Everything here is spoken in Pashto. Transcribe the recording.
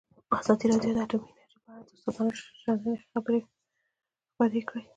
ازادي راډیو د اټومي انرژي په اړه د استادانو شننې خپرې کړي.